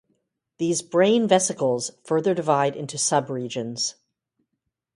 These brain vesicles further divide into subregions.